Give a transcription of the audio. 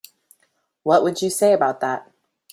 What would you say about that?